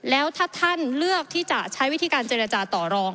แล้วถ้าท่านเลือกที่จะใช้วิธีการเจรจาต่อรอง